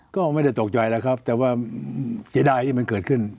ก็ไม่ได้ตกใจแล้วครับแต่ว่าเสียดายที่มันเกิดขึ้น